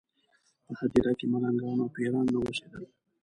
په هدیره کې ملنګان او پېران نه اوسېدل.